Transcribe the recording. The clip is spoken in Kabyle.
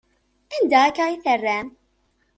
Anda akka i terram?